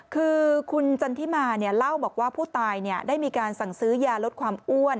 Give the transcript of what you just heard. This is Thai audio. คือคุณจันทิมาเล่าบอกว่าผู้ตายได้มีการสั่งซื้อยาลดความอ้วน